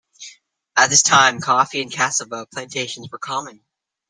At this time coffee and cassava plantations were common.